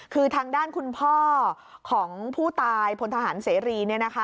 คือทางด้านคุณพ่อของผู้ตายพลทหารเสรี